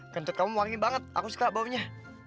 kentut kamu wangi banget aku suka baunya